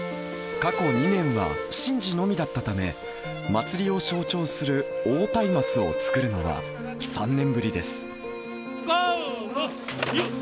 過去２年は神事のみだったため、祭りを象徴する大松明を作るのは３年ぶりです。